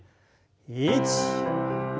１２。